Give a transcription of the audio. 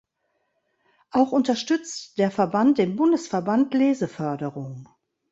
Auch unterstützt der Verband den Bundesverband Leseförderung.